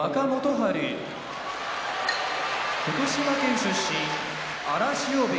春福島県出身荒汐部屋